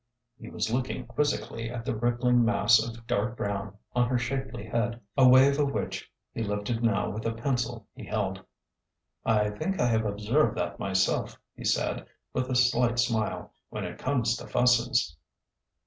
He was looking quizzically at the rippling mass of dark brown on her shapely head, a wave of which he lifted now with a pencil he held. '' I think I have observed that myself," he said, with a slight smile ,— when it comes to fusses.''